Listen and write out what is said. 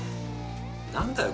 何だよ？